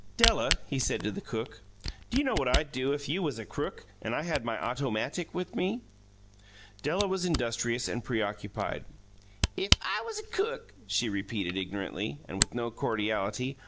"Della," he said to the cook, "do you know what I'd do if you was a crook and I had my ottomatic with me?" Della was industrious and preoccupied. "If I was a cook!" she repeated ignorantly, and with no cordiality.